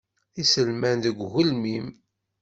Iselman deg ugelmim.